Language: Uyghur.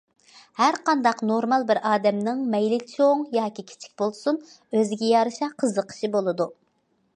ھەر قانداق نورمال بىر ئادەمنىڭ مەيلى چوڭ يا كىچىك بولسۇن، ئۆزىگە يارىشا قىزىقىشى بولىدۇ.